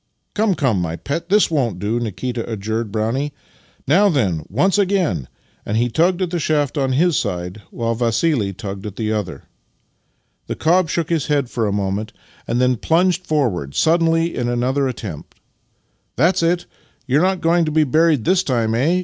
"Come, come, my pet; this won't do," Nikita adjured Brownie. "Now then, once again!" and he tugged at the shaft on his side, while Vassili tugged at the other. The cob shook his head for a moment, Master and Man 37 and then plunged forward suddenly in another attempt. "That's it! You're not going to be buried this time, eh?